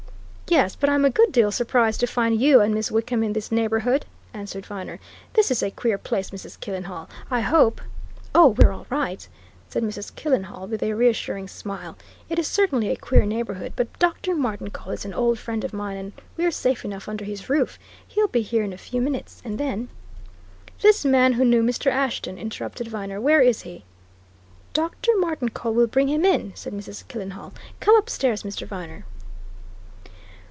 "Yes, but I'm a good deal surprised to find you and Miss Wickham in this neighbourhood," answered Viner. "This is a queer place, Mrs. Killenhall. I hope " "Oh, we're all right!" said Mrs. Killenhall, with a reassuring smile. "It is certainly a queer neighbourhood, but Dr. Martincole is an old friend of mine, and we're safe enough under his roof. He'll be here in a few minutes, and then " "This man who knew Mr. Ashton?" interrupted Viner. "Where is he?" "Dr. Martincole will bring him in," said Mrs. Killenhall, "Come upstairs, Mr. Viner."